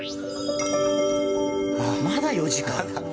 まだ４時間ある！